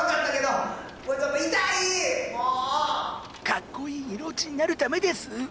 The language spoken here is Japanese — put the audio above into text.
かっこいい色落ちになるためです。